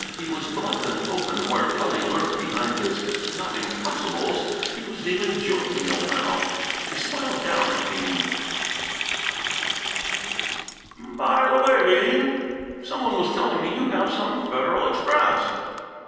He was bluff and open, where Tully lurked behind his "not impossibles." He was even jovial now. He smiled down at Bean. "By the way, Bean, some one was telling me you have some Federal Express."